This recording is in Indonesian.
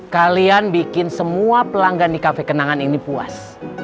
kalian bikin semua pelanggan di kafe kenangan ini puas